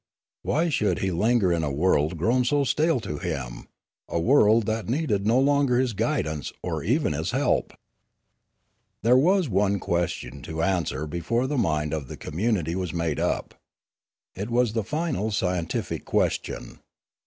Why should he linger in a world grown so stale to him, a Death 357 world that needed no longer his guidance or even his help? There was one question to answer before the mind of the community was made up. It was the final scientific question.